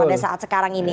pada saat sekarang ini